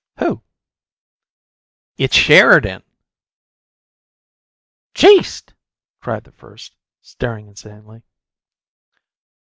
"Who?" "It's SHERIDAN!" "Jeest!" cried the first, staring insanely.